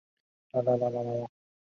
诸子为官奴。